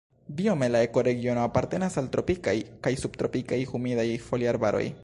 Biome la ekoregiono apartenas al tropikaj kaj subtropikaj humidaj foliarbaroj.